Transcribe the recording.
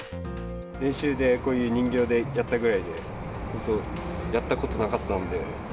練習でこういう人形でやったぐらいで、やったことなかったんで。